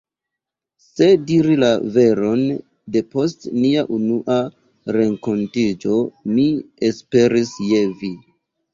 Se diri la veron, de post nia unua renkontiĝo mi esperis je vi!